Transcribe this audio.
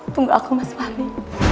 tunggu aku mas fahri